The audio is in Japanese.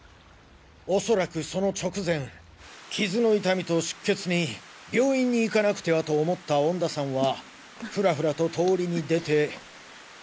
おそらくその直前傷の痛みと出血に病院に行かなくてはと思った恩田さんはふらふらと通りに出て。